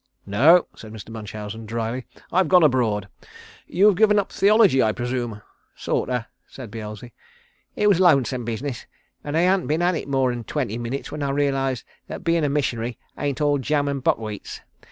"No," said Mr. Munchausen, drily. "I've gone abroad. You've given up theology I presume?" "Sorter," said Beelzy. "It was lonesome business and I hadn't been at it more'n twenty minutes when I realised that bein' a missionary ain't all jam and buckwheats.